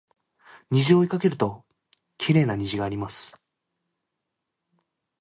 虹を追いかけるときれいな虹があります